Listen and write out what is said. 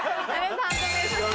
判定お願いします。